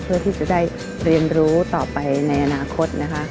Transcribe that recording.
เพื่อที่จะได้เรียนรู้ต่อไปในอนาคตนะคะ